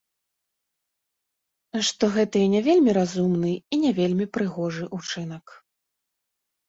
Што гэта і не вельмі разумны, і не вельмі прыгожы ўчынак.